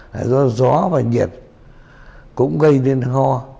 là do gió và nhiệt cũng gây nên ho